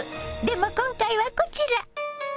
でも今回はこちら！